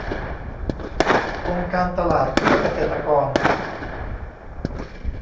องค์การตลาดเพื่อเกษตรกร